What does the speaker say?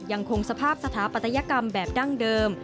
ยังคงสภาพสถาปัตยกรรมแบบดั้งเดิม